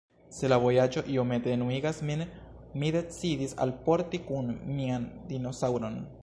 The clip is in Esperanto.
Se la vojaĝo iomete enuigas min, mi decidis alporti kun mian dinosaŭron.